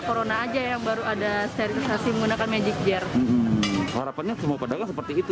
corona aja yang baru ada sterilisasi menggunakan magic jar harapannya semua pedagang seperti itu